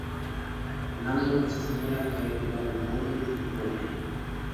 Lango estas mola kaj laŭvole petola.